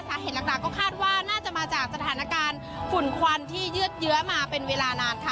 สาเหตุหลักก็คาดว่าน่าจะมาจากสถานการณ์ฝุ่นควันที่ยืดเยื้อมาเป็นเวลานานค่ะ